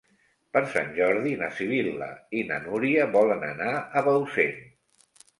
Per Sant Jordi na Sibil·la i na Núria volen anar a Bausen.